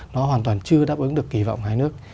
nó hoàn toàn chưa đáp ứng được kỳ vọng của hai nước